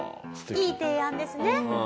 いい提案ですね。